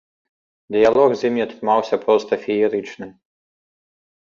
Дыялог з ім атрымаўся проста феерычны.